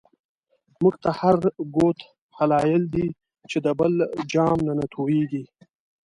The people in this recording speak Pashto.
مونږ ته هر گوت هلایل دی، چی د بل جام نه توییږی